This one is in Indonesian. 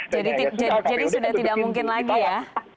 jadi sudah tidak mungkin lagi ya